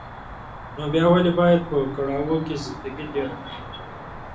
نو بيا ولې بايد په کړاوو کې زندګي تېره کړې.